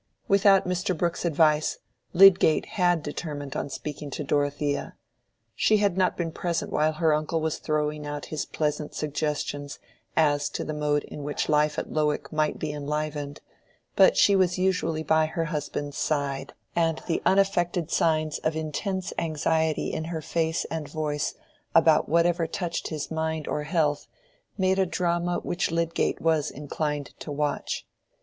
Without Mr. Brooke's advice, Lydgate had determined on speaking to Dorothea. She had not been present while her uncle was throwing out his pleasant suggestions as to the mode in which life at Lowick might be enlivened, but she was usually by her husband's side, and the unaffected signs of intense anxiety in her face and voice about whatever touched his mind or health, made a drama which Lydgate was inclined to watch.